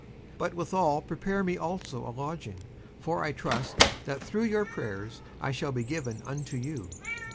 57:001:022 But withal prepare me also a lodging: for I trust that through your prayers I shall be given unto you.